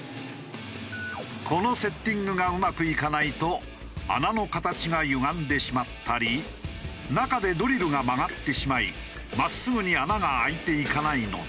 このセッティングがうまくいかないと穴の形がゆがんでしまったり中でドリルが曲がってしまい真っすぐに穴があいていかないのだ。